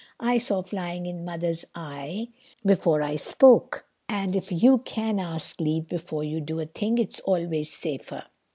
"I saw flying in Mother's eye before I spoke. And if you can ask leave before you do a thing it's always safer."